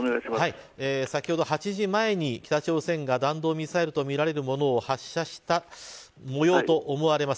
先ほど８時前に北朝鮮が弾道ミサイルと思われるものを発射したもようと思われます。